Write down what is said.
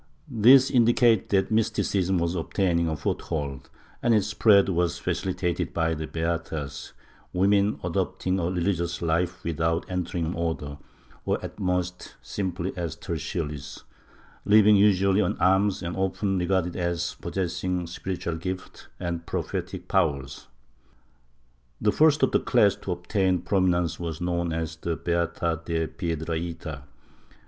^ This indicates that mysticism was obtaining a foothold and its spread was facilitated by the beatas, women adopting a religious life with out entering an Order, or at most simply as Tertiaries, living usually on alms and often regarded as possessing spiritual gifts and prophetic powers. The first of the class to ol^tain prominence was known as the Beata de Piedrahita.